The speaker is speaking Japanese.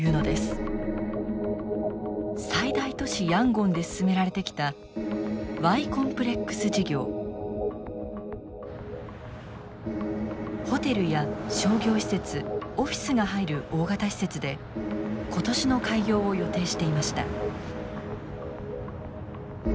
最大都市ヤンゴンで進められてきたホテルや商業施設オフィスが入る大型施設で今年の開業を予定していました。